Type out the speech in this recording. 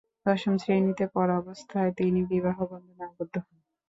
দশম শ্রেণীতে পড়াবস্থায় তিনি বিবাহ বন্ধনে আবদ্ধ হন।